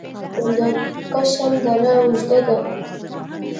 د کشم دره اوږده ده